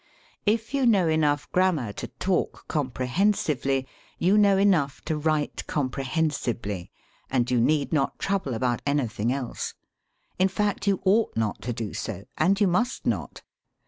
If you know enough granunar to talk comprehen sively, you know enough to write comprehensibly, and you need not trouble about anything else; in fact, you ought not to do so, and you must not.